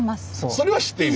それは知っている？